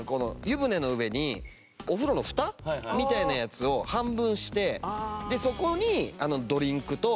湯船の上にお風呂のフタみたいなやつを半分してそこにドリンクと。